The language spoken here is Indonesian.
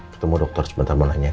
ketemu dokter sebentar mau nanya